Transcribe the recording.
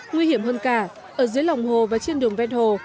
nguy hiểm hơn cả ở dưới lòng hồ và trên đường vét hồ